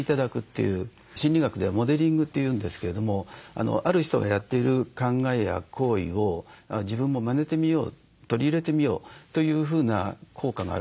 心理学ではモデリングというんですけれどもある人がやっている考えや行為を自分もまねてみよう取り入れてみようというふうな効果があると思うんですね。